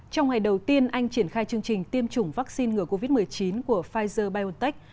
trong ngày đầu tiên anh triển khai chương trình tiêm chủng vaccine ngừa covid một mươi chín của pfizer biontech